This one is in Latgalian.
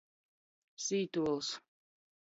Sītuols.